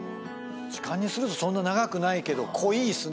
時間にするとそんな長くないけど濃いっすね。